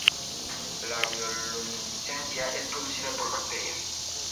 La bioluminiscencia es producida por bacterias.